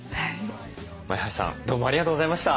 前橋さんどうもありがとうございました。